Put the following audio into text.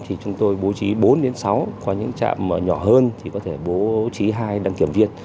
thì chúng tôi bố trí bốn đến sáu qua những trạm nhỏ hơn thì có thể bố trí hai đăng kiểm viên